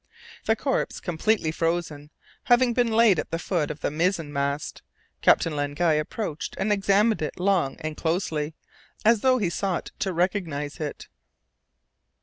The corpse, completely frozen, having been laid at the foot of the mizen mast, Captain Len Guy approached and examined it long and closely, as though he sought to recognize it.